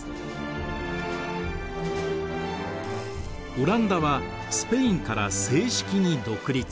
オランダはスペインから正式に独立。